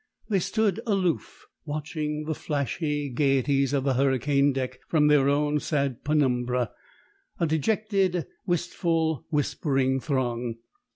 They stood aloof, watching the flashy gaieties of the hurricane deck from their own sad penumbra a dejected, wistful, whispering throng.